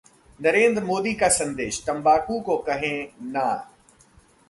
नरेंद्र मोदी का संदेश, तंबाकू को कहें 'ना'